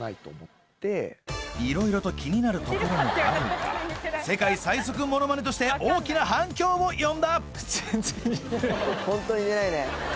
いろいろと気になるところもあるが世界最速モノマネとして大きな反響を呼んだ！